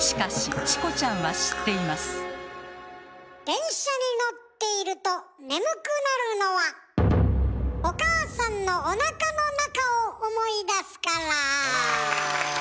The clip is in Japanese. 電車に乗っていると眠くなるのはお母さんのおなかの中を思い出すから。